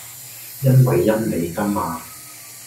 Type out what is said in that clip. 因為陰你㗎嘛